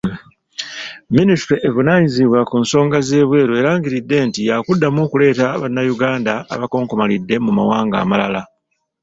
Minisitule evunaanyizibwa ku nsonga z'ebweru erangiridde nti yakuddamu okuleeta bannayuganda abakonkomalidde mu mawanga amalala.